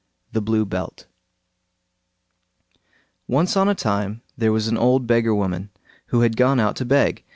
THE BLUE BELT Once on a time there was an old beggar woman, who had gone out to beg.